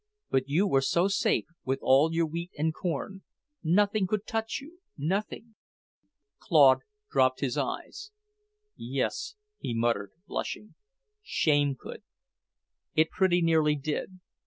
But you were so safe, with all your wheat and corn. Nothing could touch you, nothing!" Claude dropped his eyes. "Yes," he muttered, blushing, "shame could. It pretty nearly did.